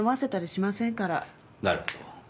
なるほど。